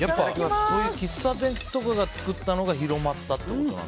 喫茶店とかが作ったのが広まったってことなんだ。